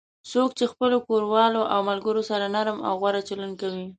څوک چې خپلو کوروالو او ملگرو سره نرم او غوره چلند کوي